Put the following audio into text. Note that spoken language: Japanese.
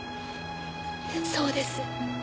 そうです。